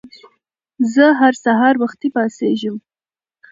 زه هر سهار وختي پاڅېږم.